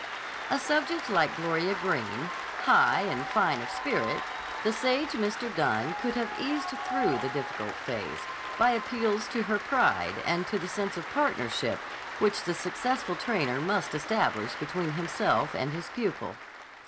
A subject like Gloria Greene, high and fine of spirit, the sage Mr. Dunne could have eased through the difficult phase by appeals to her pride and to the sense of partnership which the successful trainer must establish between himself and his pupil.